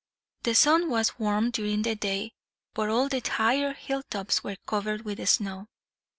The sun was warm during the day, but all the higher hilltops were covered with snow.